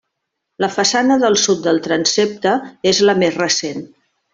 La façana del sud del transsepte és la més recent.